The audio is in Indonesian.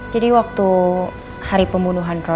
jadi waktu hari pembunuhan roy